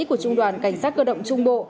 của trung đoàn cảnh sát cơ động trung bộ